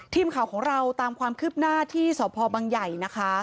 ทีมข่าวของเราตามความคืบหน้าที่สพบังใหญ่นะคะ